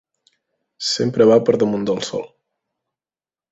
Sempre va per damunt del sol.